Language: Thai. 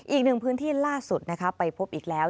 อีกหนึ่งพื้นที่ล่าสุดไปพบอีกแล้ว